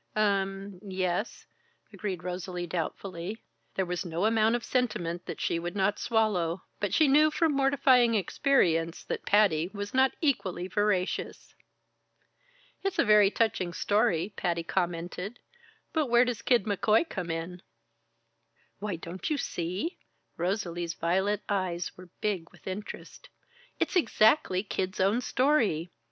"Um yes," agreed Rosalie, doubtfully. There was no amount of sentiment that she would not swallow, but she knew from mortifying experience that Patty was not equally voracious. "It's a very touching story," Patty commented, "but where does Kid McCoy come in?" "Why, don't you see?" Rosalie's violet eyes were big with interest. "It's exactly Kid's own story!